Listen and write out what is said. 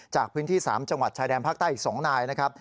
จากพื้นที่๓จังหวัดชายแดนภาคใต้อีก๒นายนะครับ